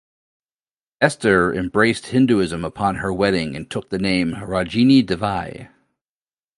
Esther embraced Hinduism upon her wedding and took the name "Ragini Devi".